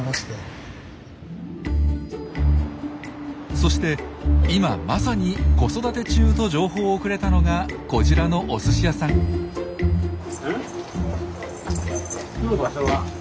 そして「今まさに子育て中」と情報をくれたのがこちらのおすし屋さん。